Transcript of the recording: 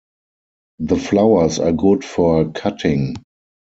The flowers are good for cutting.